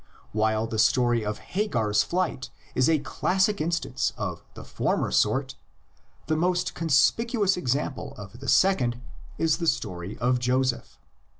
While the story of Hagar's flight is a classic instance of the former sort, the most conspicuous example of the second is the story of Joseph.